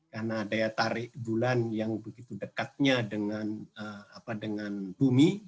karena daya tarik bulan yang begitu dekatnya dengan bumi